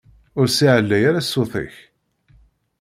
Ur ssiɛlay ara ssut-ik!